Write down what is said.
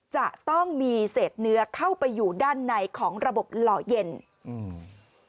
จะต้องมีเศษเนื้อเข้าไปอยู่ด้านในของระบบหล่อเย็นอืม